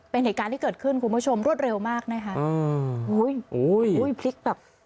เป็นเหตุการณ์ที่เกิดขึ้นคุณผู้ชมรวดเร็วมากนะคะ